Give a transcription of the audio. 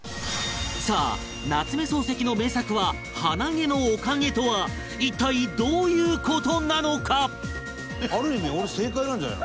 さあ夏目漱石の名作は鼻毛のおかげとは一体どういう事なのか？